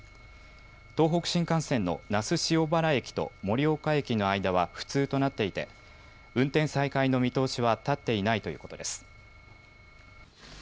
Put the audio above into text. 東北新幹線の那須塩原駅と盛岡駅の間は不通となっていて運転再開の見通しは立っていないということです。